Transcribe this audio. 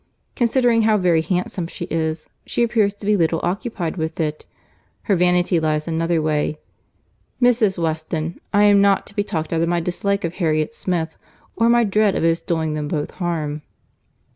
Considering how very handsome she is, she appears to be little occupied with it; her vanity lies another way. Mrs. Weston, I am not to be talked out of my dislike of Harriet Smith, or my dread of its doing them both harm."